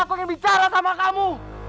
aku ingin bicara sama kamu